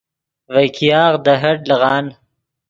ڤے ګیاغ دے ہٹ لیغان